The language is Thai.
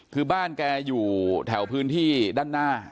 คือบ้านแกอยู่แถวพื้นที่ด้านหน้า